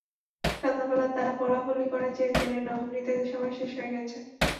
সন্ধ্যাবেলা তারা বলাবলি করে যে, জেনে নাও, নির্ধারিত সময় শেষ হয়ে গেছে।